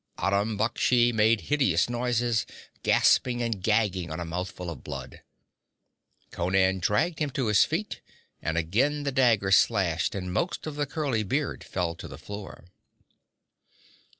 Aram Baksh made hideous noises, gasping and gagging on a mouthful of blood. Conan dragged him to his feet and again the dagger slashed, and most of the curly beard fell to the floor.